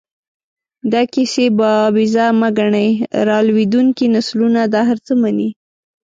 دا کیسې بابیزه مه ګڼئ، را لویېدونکي نسلونه دا هر څه مني.